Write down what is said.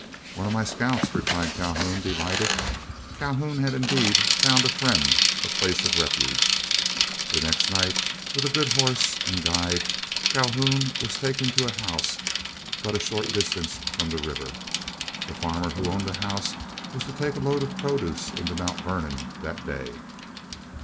"One of my scouts," replied Calhoun, delighted. Calhoun had indeed found a friend, and a place of refuge. The next night, with a good horse and guide, Calhoun was taken to a house but a short distance from the river. The farmer who owned the house was to take a load of produce into Mount Vernon that day.